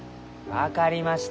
分かりました！